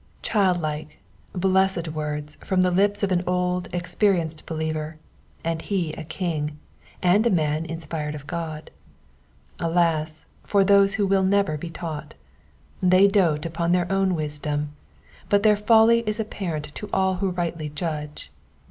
^^ Child like, blessed words, from the lips of an old, experienced believer, and he a king, and a man inspired of God. Alas, for those who will never be taught. They dote upoa their own wisdom ; but their folly is apparent to all who rightly judge.